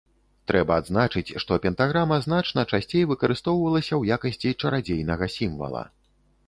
Трэба адзначыць, што пентаграма значна часцей выкарыстоўвалася ў якасці чарадзейнага сімвала.